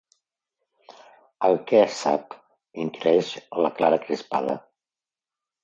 El què, sap? —inquireix la Clara, crispada.